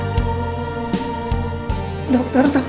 yang mengatakan dia harus memiliki penyakit yang sangat keras